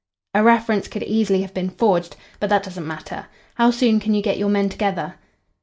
"A reference could easily have been forged. But that doesn't matter. How soon can you get your men together?"